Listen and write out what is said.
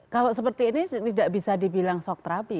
kalau seperti ini tidak bisa dibilang shock therapy